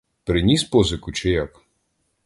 Приніс позику, чи як?